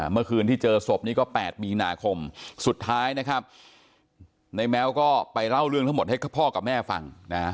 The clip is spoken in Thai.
เมื่อคืนที่เจอศพนี้ก็๘มีนาคมสุดท้ายนะครับในแม้วก็ไปเล่าเรื่องทั้งหมดให้พ่อกับแม่ฟังนะ